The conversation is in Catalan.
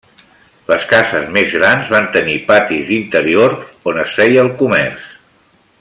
Les cases més grans van tenir patis d'interior on es feia el comerç.